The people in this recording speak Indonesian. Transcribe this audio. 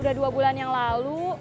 udah dua bulan yang lalu